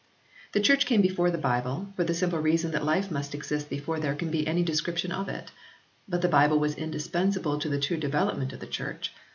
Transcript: The Church came before the Bible, for the simple reason that life must exist before there can be any description of it, but the Bible was indispensable to the true development of the Church.